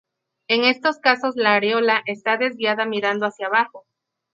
En estos casos la areola esta desviada mirando hacia abajo.